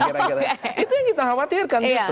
itu yang kita khawatirkan